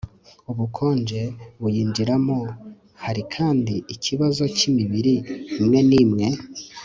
ubukonje buyinjiramo Hari kandi ikibazo cy imibiri imwe n imwe